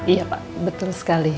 iya pak betul sekali